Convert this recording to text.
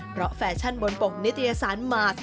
เพราะแฟชั่นบนปกนิตยสารมา